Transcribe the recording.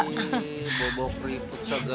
bobo keriput segala